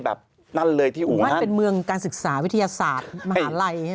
อุหันเป็นเมืองการศึกษาวิทยาศาสตร์มหาลัย